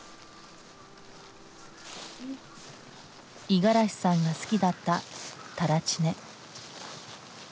五十嵐さんが好きだった垂乳根。